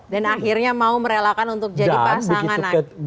dan akhirnya mau merelakan untuk jadi pasangan pak prabowo